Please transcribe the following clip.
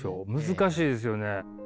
難しいですよね。